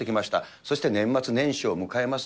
そして年末年始を迎えます。